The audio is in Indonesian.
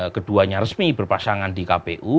keduanya resmi berpasangan di kpu